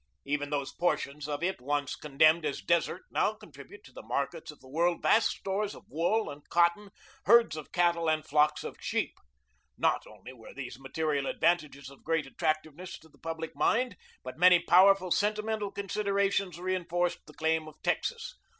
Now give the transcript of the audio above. Even those portions of it once condemned as desert now contribute to the markets of the world vast stores of wool and cotton, herds of cattle and flocks of sheep. Not only were these material advantages of great attractiveness to the public mind, but many powerful sentimental considerations reinforced the claim of Texas.